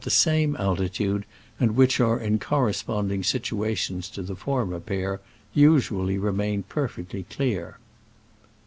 the same altitude, and which are in correspond ing situations to the former pair — usual ly remain perfectly clear.